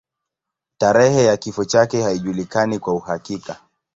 Tarehe ya kifo chake haijulikani kwa uhakika.